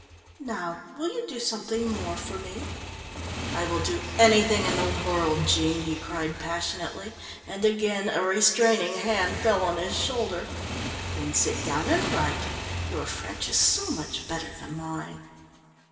"Now will you do something more for me?" "I will do anything in the world, Jean," he cried passionately, and again a restraining hand fell on his shoulder. "Then sit down and write; your French is so much better than mine."